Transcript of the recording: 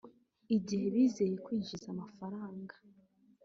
igihe bizeye kwinjiza amafaranga